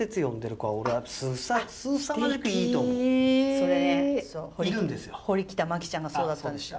それ堀北真希ちゃんがそうだったんですよ。